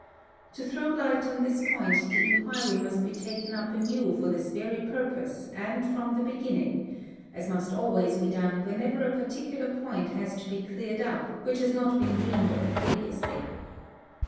To throw hght on this point the inquiry must be taken up anew for this very purpose and from the beginning—as must always be done whenever a particular point has to be cleared up which has not been dreamed of previously.